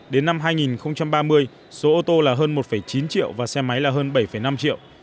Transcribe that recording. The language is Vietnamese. đến năm hai nghìn ba mươi số ô tô là hơn một chín triệu và xe máy là hơn bảy năm triệu